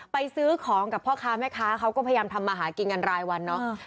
ซื้อของกับพ่อค้าแม่ค้าเขาก็พยายามทำมาหากินกันรายวันเนาะ